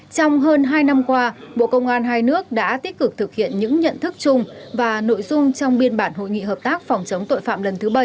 trong hơn hai năm qua bộ công an hai nước đã tích cực thực hiện những nhận thức chung và nội dung trong biên bản hội nghị hợp tác phòng chống tội phạm lần thứ bảy